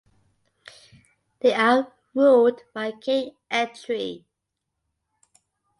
They are ruled by King Eitri.